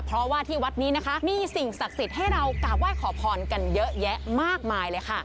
เพราะว่าที่วัดนี้นะคะมีสิ่งศักดิ์สิทธิ์ให้เรากราบไหว้ขอพรกันเยอะแยะมากมายเลยค่ะ